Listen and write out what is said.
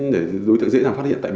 để đối tượng dễ dàng phát hiện